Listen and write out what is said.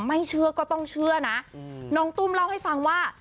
ไม่เชื่อก็ต้องเชื่อนะน้องตุ้มเล่าให้ฟังว่า